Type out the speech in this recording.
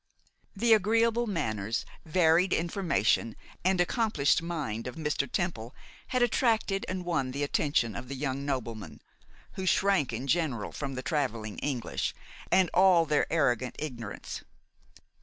The agreeable manners, varied information, and accomplished mind of Mr. Temple, had attracted and won the attention of the young nobleman, who shrank in general from the travelling English, and all their arrogant ignorance.